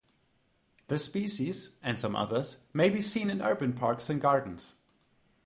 This species, and some others, may be seen in urban parks and gardens.